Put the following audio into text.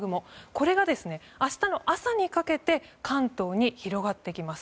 これが明日の朝にかけて関東に広がってきます。